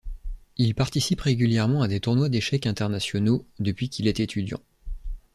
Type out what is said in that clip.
Il participe régulièrement à des tournois d'échecs internationaux depuis qu'il est étudiant.